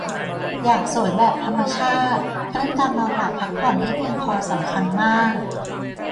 อยากสวยแบบธรรมชาติ เรื่องการนอนหลับพักผ่อนให้เพียงพอสำคัญมาก